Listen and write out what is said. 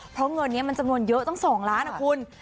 เพราะเงินนี้มันจำนวนเยอะตั้ง๒ล้านนะคุณ